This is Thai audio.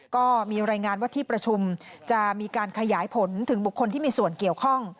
ก็มีรายงานว่าที่ประชุมจะมีการขยายผลถึงบุคคลที่มีส่วนเกี่ยวข้อง